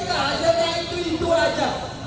hasilnya itu itu saja